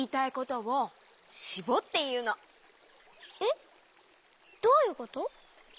えっどういうこと？